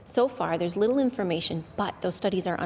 sejauh ini ada sedikit informasi tapi penelitian itu diperlukan